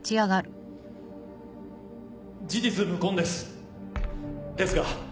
事実無根です。ですが。